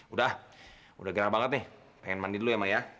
udah udah gerah banget nih pengen mandi dulu ya mbak ya